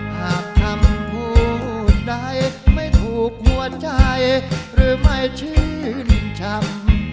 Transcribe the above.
หากคำพูดใดไม่ถูกหัวใจหรือไม่ชื่นช้ำ